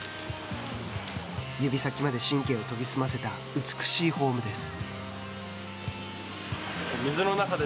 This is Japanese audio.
指先まで神経を研ぎ澄ませた美しいフォームです。